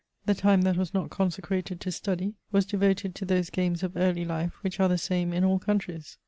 The time that was not consecrated to study, was devoted to those games of early life, which are the same in all countries.